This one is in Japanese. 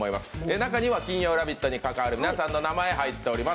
中には金曜「ラヴィット！」に関わる皆さんの名前、入っております。